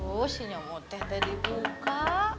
aduh sinyal muteh tadi buka